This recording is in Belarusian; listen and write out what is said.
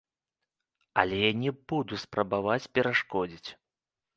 Але я не буду спрабаваць перашкодзіць.